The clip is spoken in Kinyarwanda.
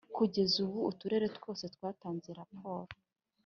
Kugeza ubu Uturere twose twatanze raporo.